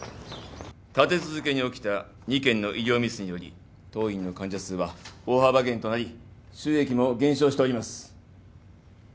立て続けに起きた２件の医療ミスにより当院の患者数は大幅減となり収益も減少しております。